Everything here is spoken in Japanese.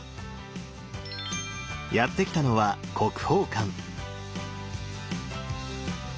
やって来たのは国宝館。